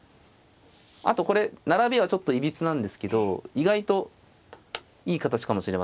あとこれ並びはちょっといびつなんですけど意外といい形かもしれませんね。